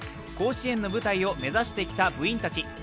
甲子園の舞台を目指してきた部員たち。